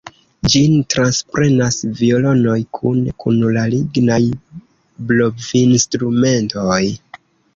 Ĝin transprenas violonoj kune kun la lignaj blovinstrumentoj.